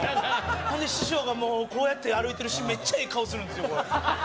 ほんで師匠がこうやって歩いてるシーンメッチャいい顔するんですよ